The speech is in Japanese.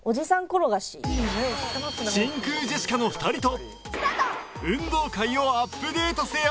真空ジェシカの２人と運動会をアップデートせよ